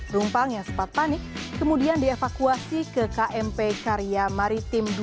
rumpang yang sempat panik kemudian dievakuasi ke kmp karya maritim dua